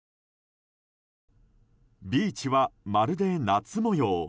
ビーチはまるで夏模様。